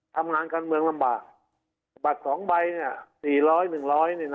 ทำงานการเมืองลำบากบัตรสองใบเนี้ยสี่ร้อยหนึ่งร้อยเนี้ยนะ